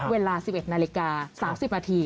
เวลา๑๑นาฬิกา๓๐นาที